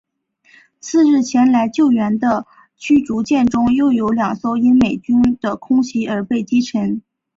次日前来救援的驱逐舰中又有两艘因为美军的空袭而被击沉。